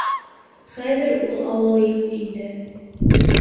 Хәҙер ул ауыл юҡ инде.